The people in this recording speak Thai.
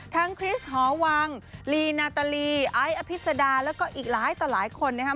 คริสหอวังลีนาตาลีไอซ์อภิษดาแล้วก็อีกหลายต่อหลายคนนะครับ